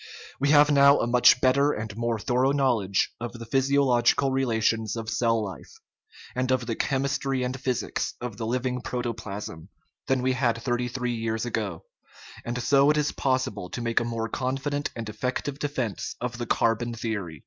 We have now a much better and more thorough knowledge of the physiological relations of cell life, and of the chemistry and physics of the living proto plasm, than we had thirty three years ago, and so it is possible to make a more confident and effective defence of the carbon theory.